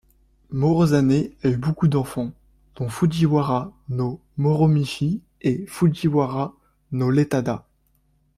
Morozane a eu beaucoup d'enfants, dont Fujiwara no Moromichi et Fujiwara no Ietada.